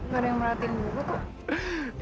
gak ada yang merhatiin buku kok